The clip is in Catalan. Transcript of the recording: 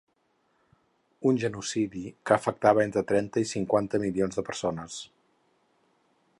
Un genocidi que afectava entre trenta i cinquanta milions de persones.